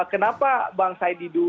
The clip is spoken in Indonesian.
kenapa bang saib didu